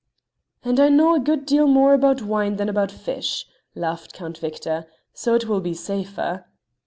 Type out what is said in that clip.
"And I know a good deal more about wine than about fish," laughed Count Victor, "so it will be safer."